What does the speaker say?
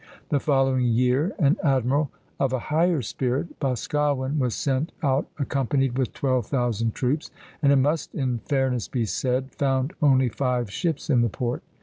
The following year an admiral of a higher spirit, Boscawen, was sent out accompanied with twelve thousand troops, and, it must in fairness be said, found only five ships in the port.